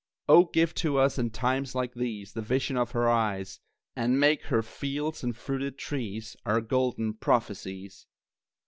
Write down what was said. Oh, give to us, in times like these, The vision of her eyes; And make her fields and fruited trees Our golden prophecies!